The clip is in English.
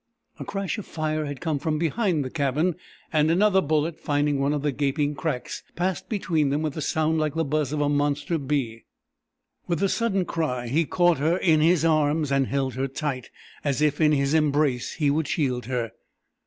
A crash of fire had come from behind the cabin, and another bullet, finding one of the gaping cracks, passed between them with a sound like the buzz of a monster bee. With a sudden cry he caught her in his arms and held her tight, as if in his embrace he would shield her.